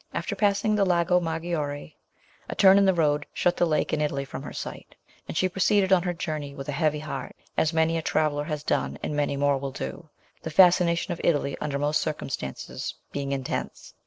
After passing the Lago Maggiore, a turn in the road shut the lake and Italy from her sight, and she proceeded on her journey with a heavy heart, as many a traveller has done and many more will do, the fascination of Italy under most circumstances being intense.